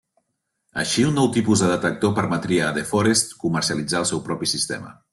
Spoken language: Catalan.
Així un nou tipus de detector permetria a De Forest comercialitzar el seu propi sistema.